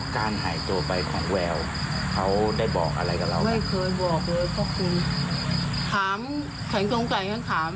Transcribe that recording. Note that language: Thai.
ถามฉันต้มใจกันถามเพราะว่าแม่ก็มั่วอ่ะว่าอย่างนี้